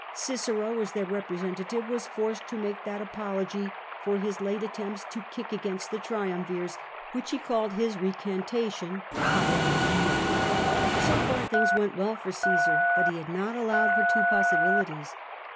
Cicero, as their representative, was forced to make that apology for Ins late attempts to kick against the triumvirs which he called his ''recantation^* So far things went well for Oa'sar, but he had not allowed for two possibilities.